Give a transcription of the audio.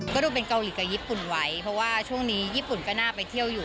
ก็ดูเป็นเกาหลีกับญี่ปุ่นไว้เพราะว่าช่วงนี้ญี่ปุ่นก็น่าไปเที่ยวอยู่